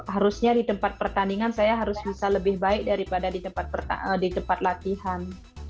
harusnya di tempat pertandingan saya harus bisa lebih baik daripada di tempat latihan